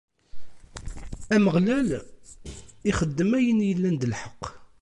Ameɣlal ixeddem ayen yellan d lḥeqq.